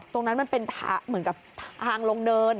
ตรงนั้นมันเป็นเหมือนกับทางลงเนิน